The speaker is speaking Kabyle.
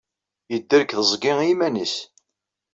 Yedder deg teẓgi i yiman-nnes.